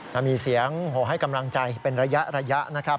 ถ้ามีเสียงโหให้กำลังใจเป็นระยะนะครับ